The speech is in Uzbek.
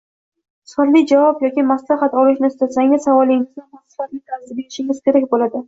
Sifatli javob yoki maslahat olishni istasangiz, savolingizni ham sifatli tarzda berishingiz kerak bo’ladi